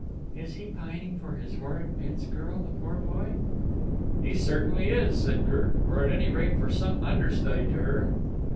"Is he pining for his horrid Vince girl, the poor boy?" "He certainly is," said Kirk. "Or at any rate, for some understudy to her."